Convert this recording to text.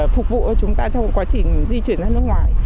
phục vụ cho chúng ta trong quá trình di chuyển ra nước ngoài